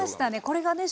これがね